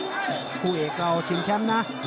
คู่เอกเราชิงแชมป์นะ